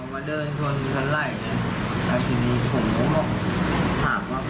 มันมีครั้งเข้าเอ่อ